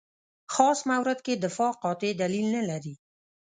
خاص مورد کې دفاع قاطع دلیل نه لري.